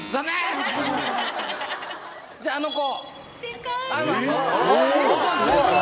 じゃああの子。